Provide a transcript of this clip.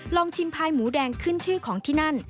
ลองชิมพายหมูแดงขึ้นชื่อของที่นั่น